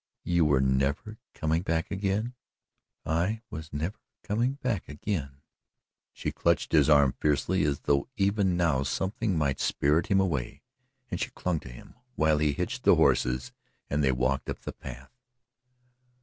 "You were never coming back again?" "I was never coming back again." She clutched his arm fiercely as though even now something might spirit him away, and she clung to him, while he hitched the horses and while they walked up the path.